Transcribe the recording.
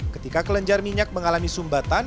ketika kelenjar minyak mengalami sumbatan